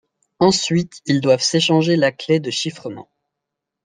Ensuite, ils doivent s'échanger la clé de chiffrement.